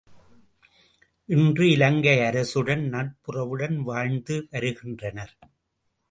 இன்று இலங்கை அரசுடன் நட்புறவுடன் வாழ்ந்து வருகின்றனர்.